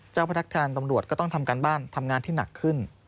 เจ้าพนักงานตำรวจก็ต้องทำการบ้านทำงานที่หนักขึ้น